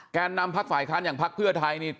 นำพักฝ่ายค้านอย่างพักเพื่อไทยนี่